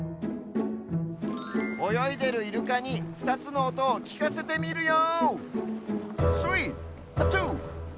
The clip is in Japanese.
およいでるイルカに２つのおとをきかせてみるよ！